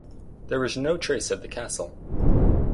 There is no trace of the castle.